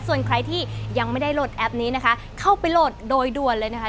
ส่วนใครที่ยังไม่ได้โหลดแอปนี้นะคะเข้าไปโหลดโดยด่วนเลยนะคะ